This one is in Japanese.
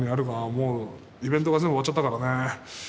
もうイベントが全部終わっちゃったからね。